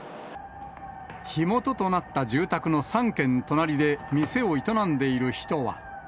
火元となった住宅の３軒隣で店を営んでいる人は。